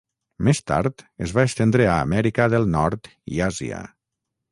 Més tard es va estendre a Amèrica del Nord i Àsia.